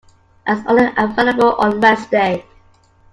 I am only available on Wednesday.